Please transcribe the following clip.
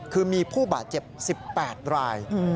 คือมีผู้บาดเจ็บ๑๘ราย